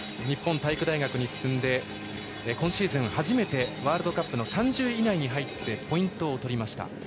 日本体育大学に進んで今シーズン初めてワールドカップの３０位以内に入ってポイントを取りました。